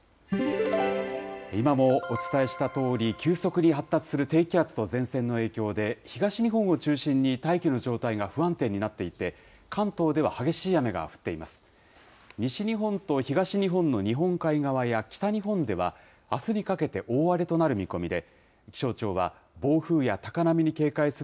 今もお伝えしたとおり、急速に発達する低気圧と前線の影響で、東日本を中心に大気の状態が不安定になっていて、関東では激しい雨が降っています。